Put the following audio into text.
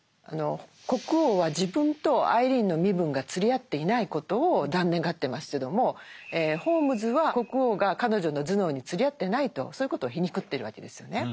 国王は自分とアイリーンの身分が釣り合っていないことを残念がってますけどもホームズは国王が彼女の頭脳に釣り合ってないとそういうことを皮肉ってるわけですよね。